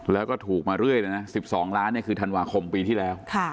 แล้วก็ถูกมาเรื่อยเลยนะ๑๒ล้านคือธันวาคมปีที่แล้ว